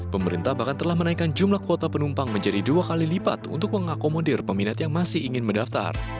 pemerintah bahkan telah menaikkan jumlah kuota penumpang menjadi dua kali lipat untuk mengakomodir peminat yang masih ingin mendaftar